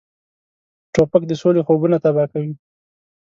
توپک د سولې خوبونه تباه کوي.